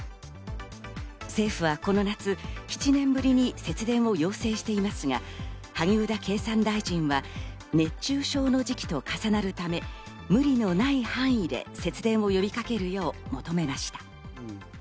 政府はこの夏、７年ぶりに節電を要請していますが、萩生田経産大臣は、熱中症の時期と重なるため、無理のない範囲で節電を呼びかけるよう求めました。